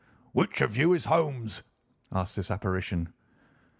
"Which of you is Holmes?" asked this apparition.